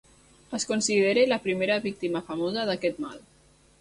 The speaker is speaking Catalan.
Es considera la primera víctima famosa d'aquest mal.